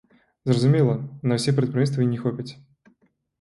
Зразумела, на ўсе прадпрыемствы не хопіць.